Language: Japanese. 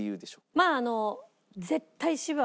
まああの。